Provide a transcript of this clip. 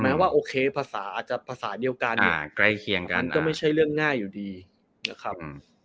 แม้ว่าโอเคภาษาอาจจะภาษาเดียวกันก็ไม่ใช่เรื่องง่ายอยู่ดีนะครับ